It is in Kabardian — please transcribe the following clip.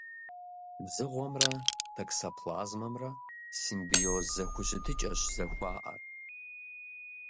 Дзыгъуэмрэ токсоплазмэмрэ симбиоз зэхущытыкӏэщ зэхуаӏэр.